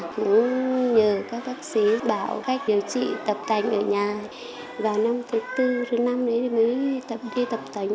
cũng nhờ các bác sĩ bảo khách điều trị tập tành ở nhà vào năm thứ tư thứ năm đấy mới đi tập tành